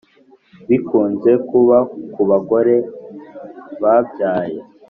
Bikunze kuba kubagore babyaye